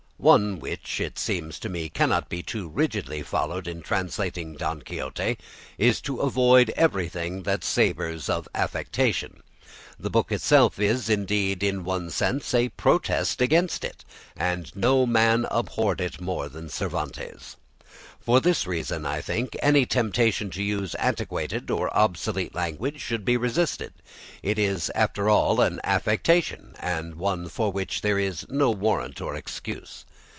One which, it seems to me, cannot be too rigidly followed in translating "Don Quixote," is to avoid everything that savours of affectation. The book itself is, indeed, in one sense a protest against it, and no man abhorred it more than Cervantes. For this reason, I think, any temptation to use antiquated or obsolete language should be resisted. It is after all an affectation, and one for which there is no warrant or excuse.